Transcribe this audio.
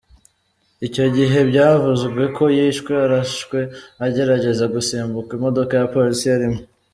Icyo gihe byavuzwe ko yishwe arashwe agerageza gusimbuka imodoka ya polisi yarimo.